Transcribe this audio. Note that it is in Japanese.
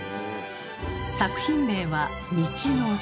作品名は「道のり」。